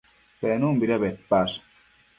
Penunbida bedpash?